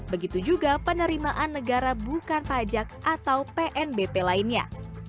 begitu juga penerimaan negara bukan pajak atau pnbp lainnya